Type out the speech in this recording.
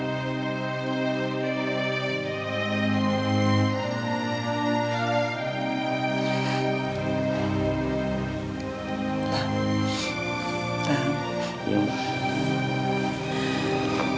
terima kasih mak